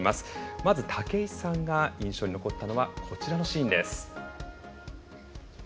まず、武井さんが印象に残ったのはこちらのシーンです。